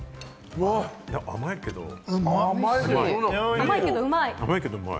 甘いけれども、うまい！